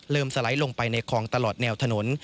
เริ่มสลัยลงไปในคลองตลอดแนวถนน